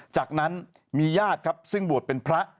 จากนั้นมีญาติครับซึ่งบวชเป็นพระ